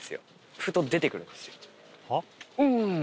ふと出てくるんですよ。